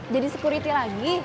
jadi sekuriti lagi